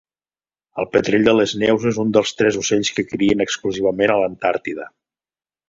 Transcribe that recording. El petrell de les neus és un dels tres ocells que crien exclusivament a l'Antàrtida.